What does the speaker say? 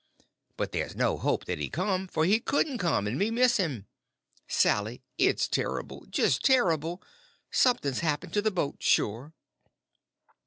But there's no hope that he's come; for he couldn't come and me miss him. Sally, it's terrible—just terrible—something's happened to the boat, sure!"